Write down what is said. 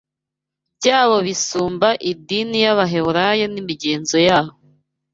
byabo bisumba idini y’Abaheburayo n’imigenzo yabo